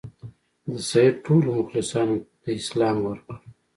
د سید ټولو مخلصانو دا سلا ورکړه.